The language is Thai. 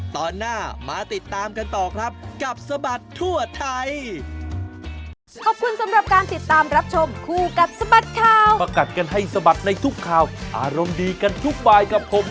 ตอนหน้ามาติดตามกันต่อครับกับสบัดทั่วไทย